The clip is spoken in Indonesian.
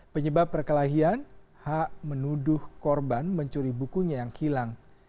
penyebab perkelahian h menuduh korban mencuri bukunya yang hilang